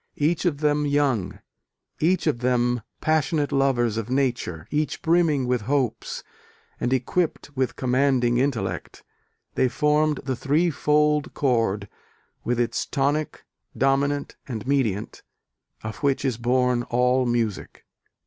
Each of them young, each of them passionate lovers of Nature, each brimming with hopes, and equipped with commanding intellect, they formed the three fold chord, with its tonic, dominant and mediant, of which is born all music....